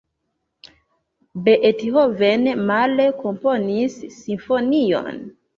Beethoven male komponis simfonion.